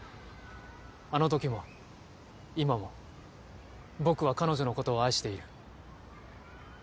あのときも今も僕は彼女のことを愛している。